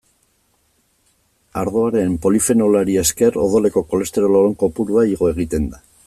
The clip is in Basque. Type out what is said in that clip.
Ardoaren polifenolari esker odoleko kolesterol on kopurua igo egiten da.